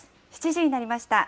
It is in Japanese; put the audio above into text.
７時になりました。